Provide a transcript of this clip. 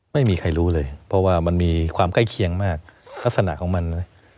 ไม่มีใครรู้เลยเพราะว่ามันมีความใกล้เคียงมากลักษณะของมันเลย